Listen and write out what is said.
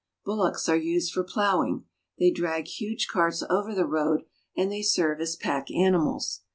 Bullocks are used for plowing. They drag huge carts over the road, and they serve as pack animals.